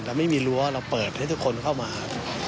เราไม่มีรั้วเราเปิดให้ทุกคนเข้ามา